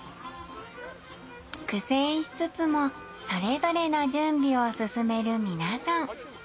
苦戦しつつもそれぞれの準備を進める皆さん。